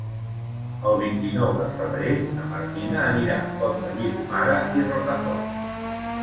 El vint-i-nou de febrer na Martina anirà al Pont de Vilomara i Rocafort.